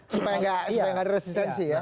supaya tidak ada resistensi ya